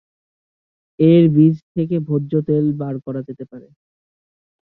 এর বীজ থেকে ভোজ্য তেল বের করা যেতে পারে।